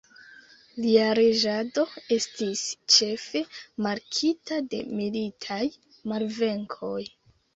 Lia reĝado estis ĉefe markita de militaj malvenkoj.